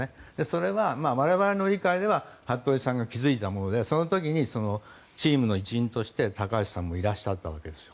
それが我々の理解では服部さんが築いたものでその時にチームの一員として高橋さんもいらっしゃったわけです。